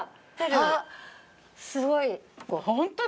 あっすごい。